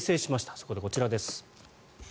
そこでこちらです。